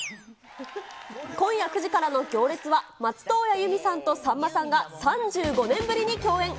今夜９時からの行列は、松任谷由実さんとさんまさんが３５年ぶりに共演。